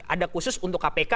ada khusus untuk kpk